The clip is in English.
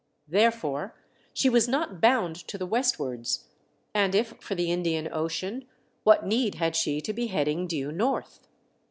Therefore she was not bound to the westwards, and if for the Indian Ocean, what need had she to be heading due north